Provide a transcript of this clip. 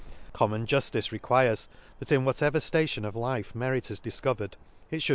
Common juftice requires, that in what ever ftation of life merit is difcovered, it fhould .